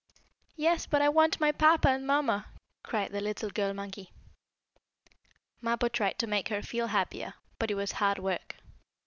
"Yes, but I want my papa and mamma!" cried the little girl monkey. Mappo tried to make her feel happier, but it was hard work.